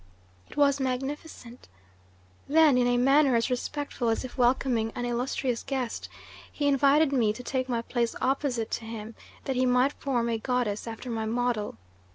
"It was magnificent! Then, in a manner as respectful as if welcoming an illustrious guest, he invited me to take my place opposite to him, that he might form a goddess after my model.